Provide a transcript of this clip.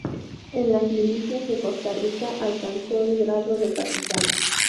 En las milicias de Costa Rica alcanzó el grado de capitán.